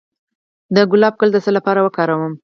د ګلاب ګل د څه لپاره وکاروم؟